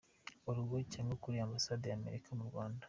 org cyangwa kuri Ambasade y’Amerika mu Rwanda.